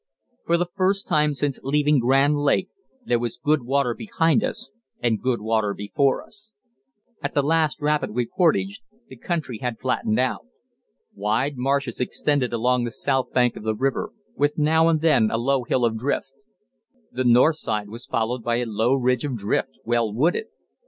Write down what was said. For the first time since leaving Grand Lake there was good water behind us and good water before us. At the last rapid we portaged the country had flattened out. Wide marshes extended along the south bank of the river, with now and then a low hill of drift. The north side was followed by a low ridge of drift, well wooded.